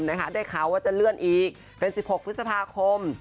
ไม่ได้ข่าวว่าจะเลื่อนอีก๑๖พฤษภาคม